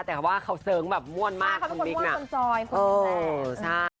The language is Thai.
แต่ว่าเขาเสริงแบบม่วนมากคุณมิ๊กซ์น่ะใช่เขาเป็นคนม่วนคนจอยคนแหลกเออใช่